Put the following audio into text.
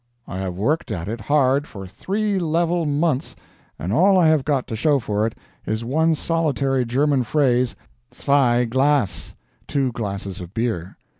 I have worked at it hard for three level months, and all I have got to show for it is one solitary German phrase 'ZWEI GLAS'" (two glasses of beer).